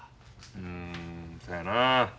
うんそやなあ。